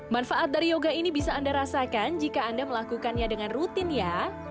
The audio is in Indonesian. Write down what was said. manfaat dari yoga ini bisa anda rasakan jika anda melakukannya dengan rutin ya